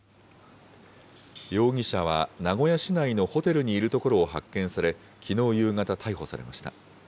容疑者は名古屋市内のホテルにいるところを発見され、きのう夕方、逮捕されました。